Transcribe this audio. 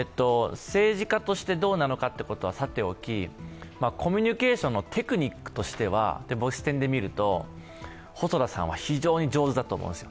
政治家としてどうなのかということはさておき、コミュニケーションのテクニックとしての視点で見ると細田さんは非常に上手だと思うんです。